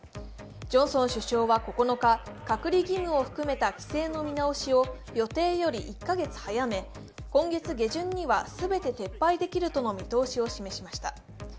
ジョンソン首相は９日、隔離義務を含めた規制の見直しを予定より１カ月早め、今月下旬には全て撤廃できるとの見通しを示しました。